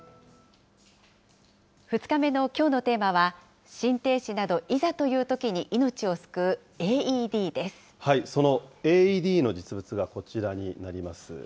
２日目のきょうのテーマは、心停止などいざというときに命を救うそのＡＥＤの実物がこちらになります。